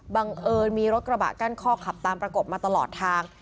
บังเอิญมีรถกระบะกั้นข้อขับตามประกบมาตลอดทาง